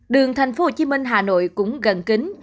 đường thành phố hồ chí minh hà nội cũng gần kính